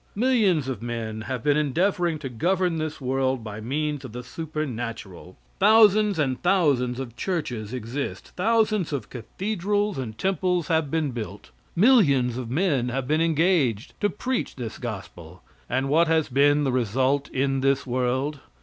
Millions of men have been endeavoring to govern this world by means of the supernatural. Thousands and thousands of churches exist, thousands of cathedrals and temples have been built, millions of men have been engaged to preach this gospel; and what has been the result in this world?